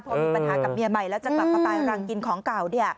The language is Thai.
พอมีปัญหากับเมียใหม่แล้วจะกลับมาตายรังกินของเก่า